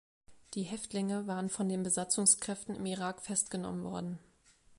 Die Häftlinge waren von den Besatzungskräften im Irak festgenommen worden.